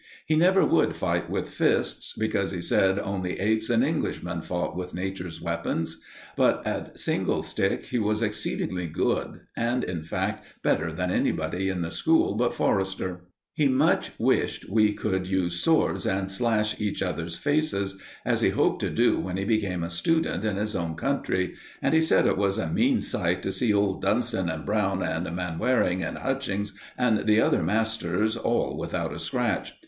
He never would fight with fists, because he said only apes and Englishmen fought with Nature's weapons. But at single stick he was exceedingly good, and, in fact, better than anybody in the school but Forrester. He much wished we could use swords and slash each other's faces, as he hoped to do when he became a student in his own country, and he said it was a mean sight to see old Dunston and Brown and Manwaring and Hutchings and the other masters all without a scratch.